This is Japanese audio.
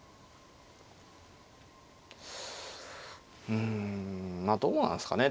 うんまあどうなんすかね。